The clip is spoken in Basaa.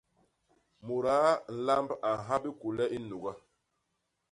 Mudaa nlamb a nha bikule i nuga.